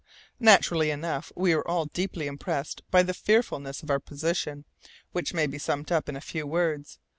Naturally enough, we were all deeply impressed by the fearfulness of our position, which may be summed up in a few words.